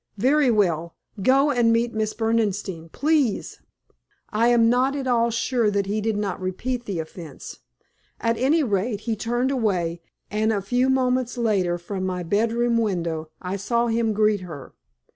"Very well! Go and meet Miss Berdenstein, please." I am not at all sure that he did not repeat the offence. At any rate, he turned away, and a few moments later, from my bedroom window, I saw him greet her.